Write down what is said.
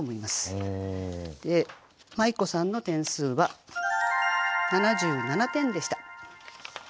まい子さんの点数は７７点でした。